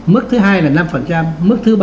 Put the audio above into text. mức thứ hai là năm mức thứ ba